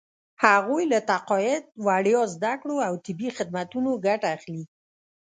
هغوی له تقاعد، وړیا زده کړو او طبي خدمتونو ګټه اخلي.